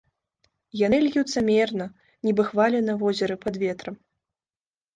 Яны льюцца мерна, нібы хвалі на возеры пад ветрам.